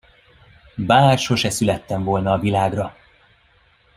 Bár sose születtem volna a világra!